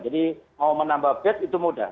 jadi mau menambah bed itu mudah